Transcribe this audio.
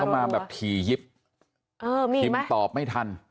หรือเข้ามาแบบผียิบเออมีอีกไหมผียิบตอบไม่ทัน